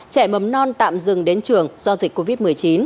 trẻ mầm non tạm dừng đến trường do dịch covid một mươi chín